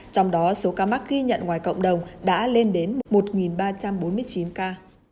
trong đó số ca mắc ghi nhận ngoài cộng đồng đã lên đến một ba trăm bốn mươi chín ca